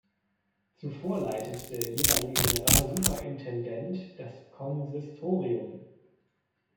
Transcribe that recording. Zuvor leitete der jeweilige Generalsuperintendent das Konsistorium.